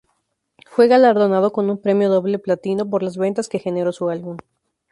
Fue galardonado con un Premio Doble Platino por las ventas que generó su álbum.